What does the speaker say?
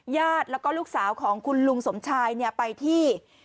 ญาติแล้วก็ลูกสาวของคุณลุงสมชายไปที่